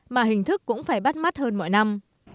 mà hình thức cũng phải bắt mắt hơn mọi năm